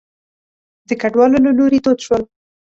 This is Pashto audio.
د کډوالو له لوري دود شول.